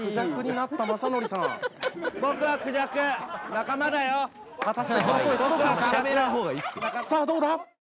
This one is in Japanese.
さあどうだ？